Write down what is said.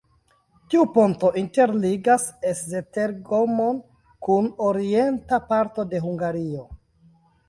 Tiu ponto interligas Esztergom-on kun orienta parto de Hungario.